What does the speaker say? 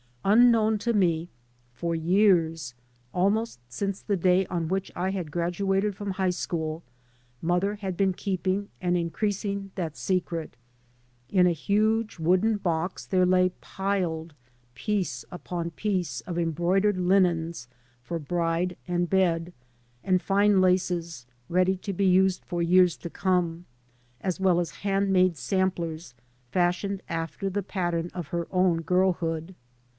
Unknown to me, for years, almost since the day on which I had graduated from high school, mother had been keeping and increasing that secret. In a huge wooden box there lay piled piece upon piece of embroidered linens for bride and bed, and fine laces ready to be used for years to come, as welt as hand made samplers fashioned after the pattern of her own girlhood.